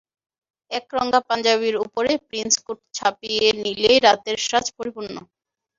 একরঙা পাঞ্জাবির ওপরে একটা প্রিন্স কোট চাপিয়ে নিলেই রাতের সাজ পরিপূর্ণ।